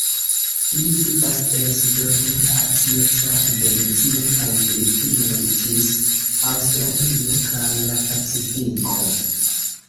Ili vivas el Sudorienta Azio tra Indonezio kaj Filipinoj ĝis Aŭstralio kaj la Pacifiko.